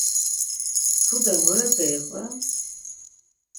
Tude murepe iqven?